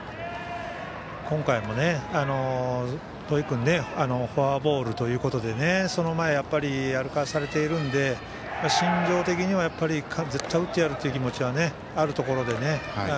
今回も戸井君フォアボールということでその前、歩かされているので心情的には絶対に打ってやるという気持ちはあるところでね。